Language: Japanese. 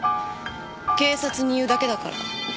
警察に言うだけだから。